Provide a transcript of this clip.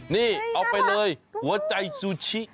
นี่เอาไปเลยหัวใจซูชิ